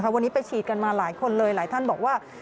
วันนี้ไปฉีดกันมาหลายคนเลยหลายท่านบอกว่า